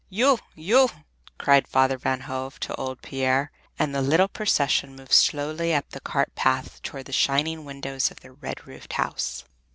"U U!" cried Father Van Hove to old Pier, and the little procession moved slowly up the cart path toward the shining windows of their red roofed house.